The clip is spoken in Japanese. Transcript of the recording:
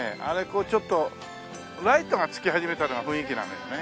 こうちょっとライトがつき始めたのが雰囲気なのよね。